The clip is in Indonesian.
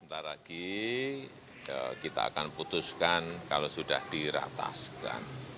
sebentar lagi kita akan putuskan kalau sudah dirataskan